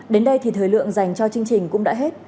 đến đây thì thời lượng dành cho chương trình cũng đã hết